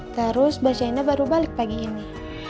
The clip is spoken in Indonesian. terus mbak jena baru balik pagi ini